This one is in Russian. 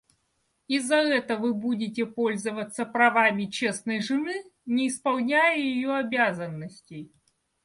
И за это вы будете пользоваться правами честной жены, не исполняя ее обязанностей.